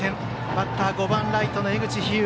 バッター、５番ライトの江口飛勇。